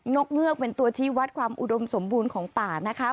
กเงือกเป็นตัวที่วัดความอุดมสมบูรณ์ของป่านะคะ